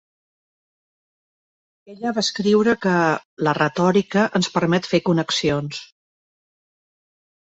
Ella va escriure que... la retòrica ens permet fer connexions...